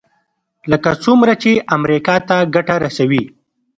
لکه څومره چې امریکا ته ګټه رسوي.